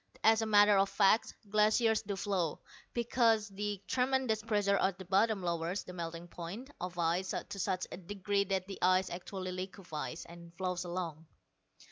As a matter of fact, glaciers do flow, because the tremendous pressure at the bottom lowers the melting point of ice to such a degree that the ice actually liquefies, and flows along."